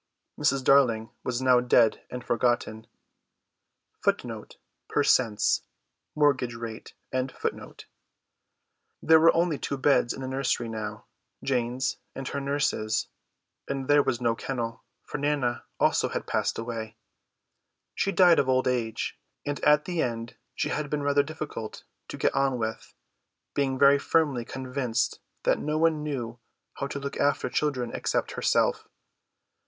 Mrs. Darling was now dead and forgotten. There were only two beds in the nursery now, Jane's and her nurse's; and there was no kennel, for Nana also had passed away. She died of old age, and at the end she had been rather difficult to get on with; being very firmly convinced that no one knew how to look after children except herself.